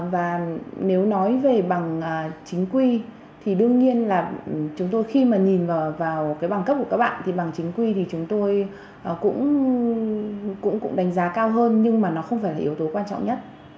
và nếu nói về bằng chính quy thì đương nhiên là chúng tôi khi mà nhìn vào cái bằng cấp của các bạn thì bằng chính quy thì chúng tôi cũng đánh giá cao hơn nhưng mà nó không phải là yếu tố quan trọng nhất